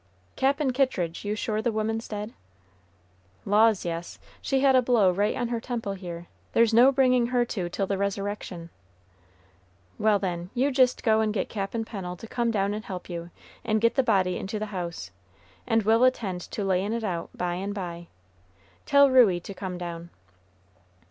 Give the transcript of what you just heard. "Cap'n Kittridge, you're sure the woman's dead?" "Laws, yes; she had a blow right on her temple here. There's no bringing her to till the resurrection." "Well, then, you jist go and get Cap'n Pennel to come down and help you, and get the body into the house, and we'll attend to layin' it out by and by. Tell Ruey to come down."